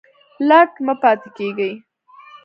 لټ مه پاته کیږئ